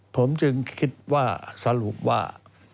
ผมจึงคิดว่าสรุปว่า